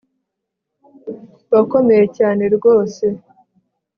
wakomeye cyane rwose